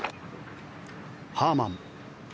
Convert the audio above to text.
ハーマン。